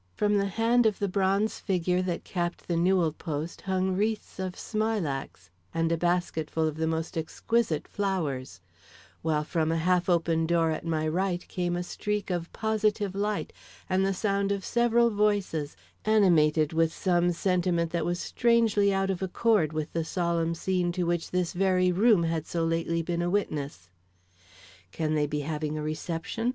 From the hand of the bronze figure that capped the newel post hung wreaths of smilax and a basket full of the most exquisite flowers; while from a half open door at my right came a streak of positive light, and the sound of several voices animated with some sentiment that was strangely out of accord with the solemn scene to which this very room had so lately been a witness. Can they be having a reception?